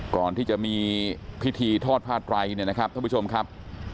ก่อนที่จะมีพิธีทอดผ้าไตรเนี่ยนะครับท่านผู้ชมครับ